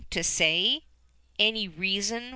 . to ... say? Any reason